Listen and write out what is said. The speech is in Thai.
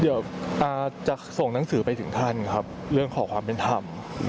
เดี๋ยวจะส่งหนังสือไปถึงท่านครับเรื่องขอความเป็นธรรม